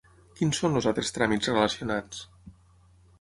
Quins són els altres tràmits relacionats?